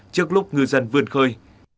trước lúc người dân vươn khơi